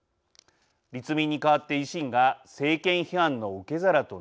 立民に代わって維新が政権批判の受け皿となっていくのか。